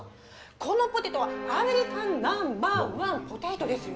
このポテトはアメリカン・ナンバーワン・ポテトですよ。